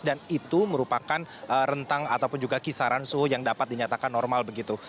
dan itu merupakan rentang ataupun juga kisaran suhu yang dapat dinyatakan normal begitu